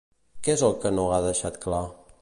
Què és el que no ha deixat clar?